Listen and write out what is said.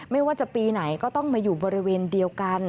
ไม่ว่าจะปีไหนก็ต้องมาอยู่บริเวณเดียวกัน